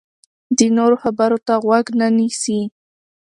د نورو خبرو ته غوږ نه نیسي.